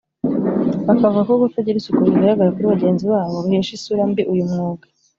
bakavuga ko kutagira isuku bigaragara kuri bagenzi babo bihesha isura mbi uyu mwuga